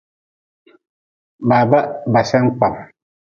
Baba ba sen kpam.